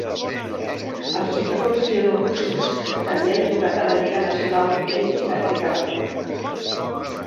Els jugadors bielorussos també han jugat a la Lliga Nacional d'Hoquei d'Amèrica del Nord.